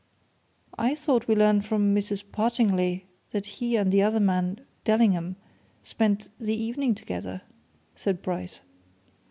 "I thought we learned from Mrs. Partingley that he and the other man, Dellingham, spent the evening together?" said Bryce.